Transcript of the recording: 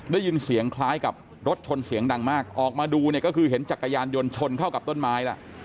ได้ยินเสียงคล้ายกับรถชนเสียงดังมากออกมาดูเนี่ยก็คือเห็นจักรยานยนต์ชนเข้ากับต้นไม้ล่ะ